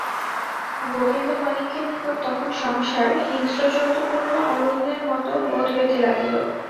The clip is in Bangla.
গোবিন্দমাণিক্যের নিকট তখন সংসার হিংস্রজন্তুপূর্ণ অরণ্যের মতো বোধ হইতে লাগিল।